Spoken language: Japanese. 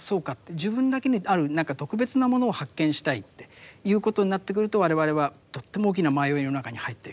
自分だけにある何か特別なものを発見したいっていうことになってくると我々はとっても大きな迷いの中に入っていく。